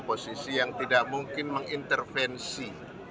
posisi yang tidak mungkin mengintervensi